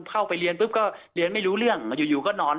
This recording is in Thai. เข้าไปเรียนปุ๊บก็เรียนไม่รู้เรื่องอยู่ก็นอน